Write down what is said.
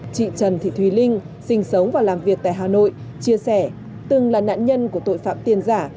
chị trần thị thùy linh sinh sống và làm việc tại hà nội chia sẻ từng là nạn nhân của tội phạm tiền giả